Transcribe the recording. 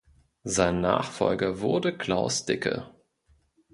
Sein Nachfolger wurde Klaus Dicke.